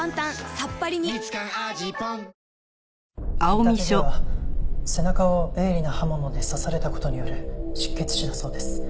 見立てでは背中を鋭利な刃物で刺された事による失血死だそうです。